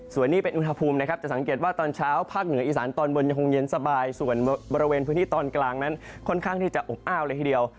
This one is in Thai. ส่วนนี้เป็นอุณหภูมินะครับจะสังเกตว่าตอนเช้าภาคเหนืออีสานตอนบนยังคงเย็นสบายส่วนบริเวณพื้นที่ตอนกลางนั้นค่อนข้างที่จะอบอ้าวเลยทีเดียว